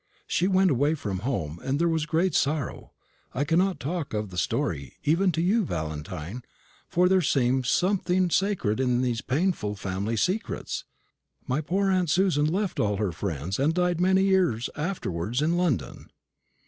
"She went away from home, and there was great sorrow. I cannot talk of the story, even to you, Valentine, for there seems something sacred in these painful family secrets. My poor aunt Susan left all her friends, and died many years afterwards in London."